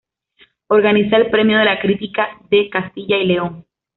Organiza el Premio de la Crítica de Castilla y León.